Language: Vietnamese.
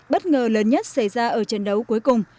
bất ngờ lớn nhất xảy ra ở trận đấu cuối cùng